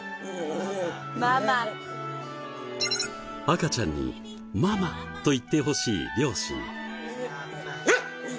赤ちゃんに「ママ」と言ってほしい両親。